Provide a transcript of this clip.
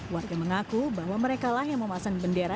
warga mengaku bahwa mereka lah yang memasang bendera